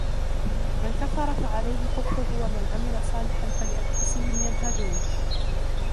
مَنْ كَفَرَ فَعَلَيْهِ كُفْرُهُ وَمَنْ عَمِلَ صَالِحًا فَلِأَنْفُسِهِمْ يَمْهَدُونَ